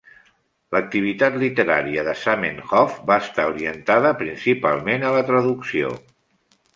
L'activitat literària de Zamenhof va estar orientada principalment a la traducció.